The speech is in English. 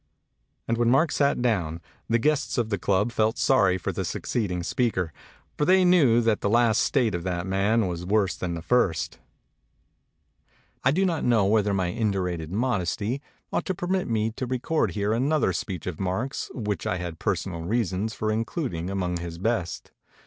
And wlu n Mark sat down, the guests of the club felt sorry for the succeeding speaker, for they knew that the last state of that man was worse than the first. 277 MEMORIES OF MARK TWAIN I do not know whether my indurated modesty ought to permit me to record here another speech of Mark's, which I had personal reasons for including among his best.